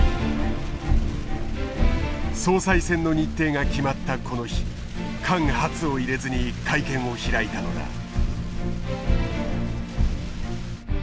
総裁選の日程が決まったこの日間髪を入れずに会見を開いたのだ。